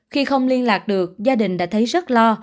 khi không liên lạc được gia đình đã thấy rất lo